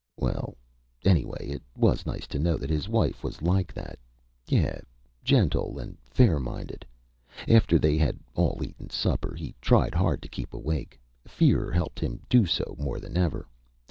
Well, anyway it was nice to know that his wife was like that. Yeah gentle, and fairminded. After they had all eaten supper, he tried hard to keep awake. Fear helped him to do so more than ever.